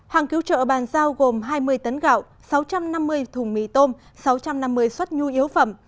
hàng cứu trợ bàn giao gồm hai mươi tấn gạo sáu trăm năm mươi thùng mì tôm sáu trăm năm mươi suất nhu yếu phẩm